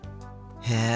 へえ。